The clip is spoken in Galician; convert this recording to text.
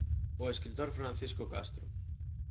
O escritor Francisco Castro.